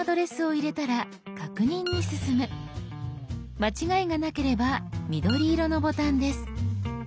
間違いがなければ緑色のボタンです。